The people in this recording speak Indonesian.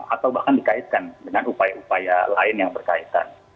atau bahkan dikaitkan dengan upaya upaya lain yang berkaitan